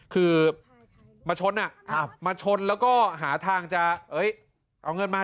คือมาชนมาชนแล้วก็หาทางจะเอาเงินมา